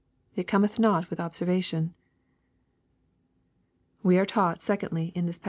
" It cometh not with observation." We are taught, secondly, in this